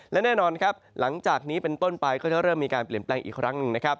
และแน่นอนครับหลังจากนี้เป็นต้นไปก็จะเริ่มมีการเปลี่ยนแปลงอีกครั้งหนึ่งนะครับ